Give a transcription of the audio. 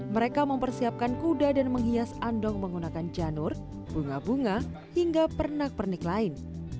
mereka mempersiapkan kuda dan menghias andong menggunakan janur bunga bunga hingga pernak pernik lain